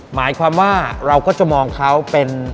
หมายความว่าเราก็จะมองเขาเป็น